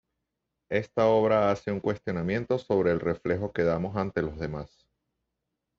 Esta obra hace un cuestionamiento sobre el reflejo que damos ante los demás.